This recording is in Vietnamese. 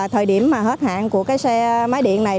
thời điểm mà hết hạn của cái xe máy điện này